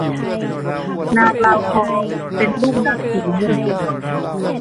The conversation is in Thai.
นางลาวทองเป็นลูกนางศรีเงินยวง